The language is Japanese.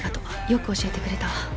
よく教えてくれたわ。